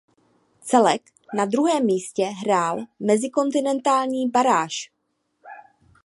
Celek na druhém místě hrál mezikontinentální baráž.